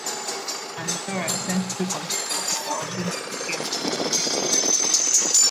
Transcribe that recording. Andorra sent two competitors to the Olympic games in swimming.